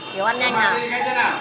kiều ăn nhanh nào